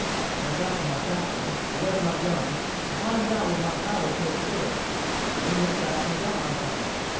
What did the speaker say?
When I got to my sapling, I left my gun, and climbed out with my powder keg first, and then went back and got my gun.